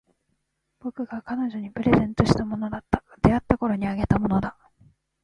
僕が彼女にプレゼントしたものだった。出会ったころにあげたものだ。